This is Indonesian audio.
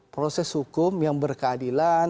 proses hukum yang berkeadilan